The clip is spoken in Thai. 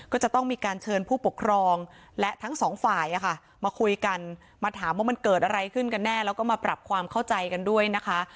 ก็จะต้องมีการเชิญผู้ปกครองและทั้งสองฝ่ายมาคุยกันมาถามว่ามันเกิดอะไรขึ้นกันแน่แล้วก็มาปรับความเข้าใจกันด้วยนะคะ